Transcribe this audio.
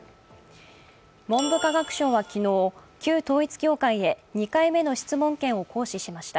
文部科学省は昨日、旧統一教会へ２回目の質問権を行使しました。